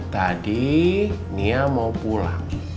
tadi nia mau pulang